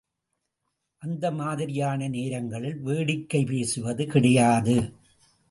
அந்த மாதிரியான நேரங்களில் வேடிக்கைபேசுவது கிடையாது.